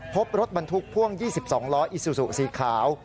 พบรถบรรทุกพ่วง๒๒ล้ออิซูซูสีขาว